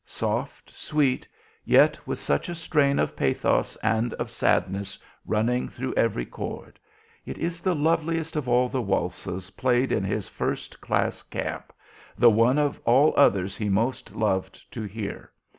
Soft, sweet, yet with such a strain of pathos and of sadness running through every chord; it is the loveliest of all the waltzes played in his "First Class Camp," the one of all others he most loved to hear.